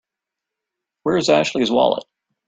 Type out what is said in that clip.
Where's Ashley's wallet?